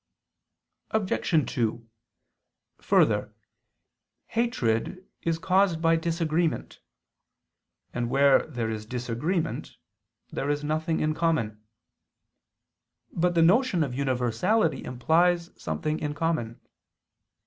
Obj. 2: Further, hatred is caused by disagreement; and where there is disagreement, there is nothing in common. But the notion of universality implies something in common.